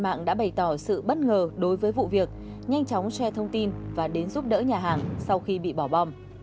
câu chuyện đã bày tỏ sự bất ngờ đối với vụ việc nhanh chóng share thông tin và đến giúp đỡ nhà hàng sau khi bị bỏ bom